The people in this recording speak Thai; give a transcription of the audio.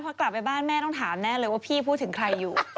พอกลับไปบ้านแม่ต้องถามแน่เลยว่าพี่พูดถึงใครอยู่